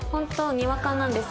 にわかなんですよ。